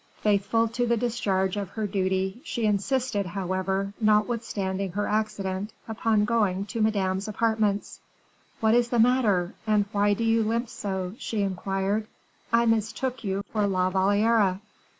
Faithful to the discharge of her duty, she insisted, however, notwithstanding her accident, upon going to Madame's apartments. "What is the matter, and why do you limp so?" she inquired; "I mistook you for La Valliere."